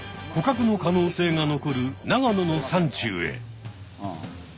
ほかくの可能性が残る長野の山中へ。